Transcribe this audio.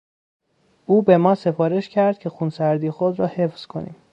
او به ما سفارش کرد که خونسردی خود را حفظ کنیم.